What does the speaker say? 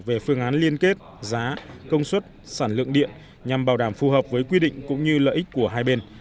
về phương án liên kết giá công suất sản lượng điện nhằm bảo đảm phù hợp với quy định cũng như lợi ích của hai bên